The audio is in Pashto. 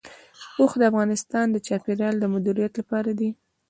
اوښ د افغانستان د چاپیریال د مدیریت لپاره دی.